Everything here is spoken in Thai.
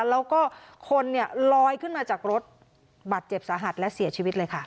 แล้วก็คนเนี่ยลอยขึ้นมาจากรถบัตรเจ็บสาหัสและเสียชีวิตเลยค่ะ